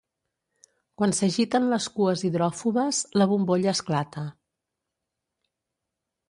Quan s'agiten les cues hidròfobes, la bombolla esclata.